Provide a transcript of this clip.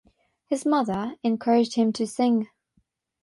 His mother encouraged him to sing.